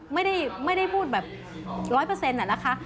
ไม่ได้พูดแบบร้อยเปอร์เซ็นต์นะคะ